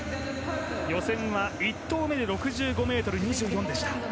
予選は１投目で６５ｍ２４でした。